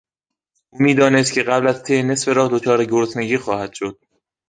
او میدانست که قبل از طی نصف راه دچار گرسنگی خواهد شد.